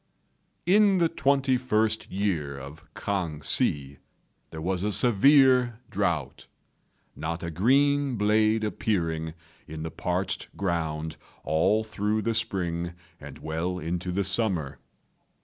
In the twenty first year of K'ang Hsi there was a severe drought, not a green blade appearing in the parched ground all through the spring and well into the summer.